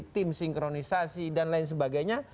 tim sinkronisasi dan lain sebagainya